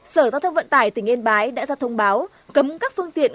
sở giao thông vận tải tỉnh yên bái đã ra thông báo cấm các phương tiện